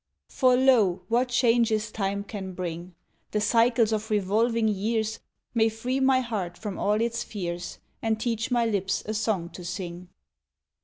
IV. FOR lo, what changes time can bring! The cycles of revolving years May free my heart from all its fears, And teach my lips a song to sing.